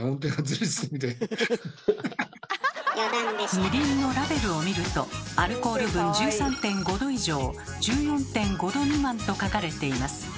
みりんのラベルを見ると「アルコール分１３．５度以上１４．５度未満」と書かれています。